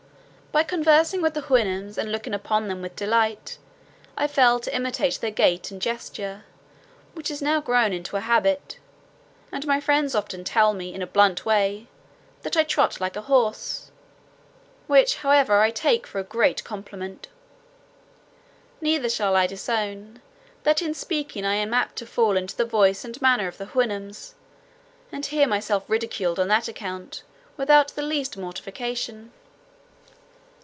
By conversing with the Houyhnhnms, and looking upon them with delight, I fell to imitate their gait and gesture, which is now grown into a habit; and my friends often tell me, in a blunt way, "that I trot like a horse;" which, however, I take for a great compliment. Neither shall I disown, that in speaking I am apt to fall into the voice and manner of the Houyhnhnms, and hear myself ridiculed on that account, without the least mortification.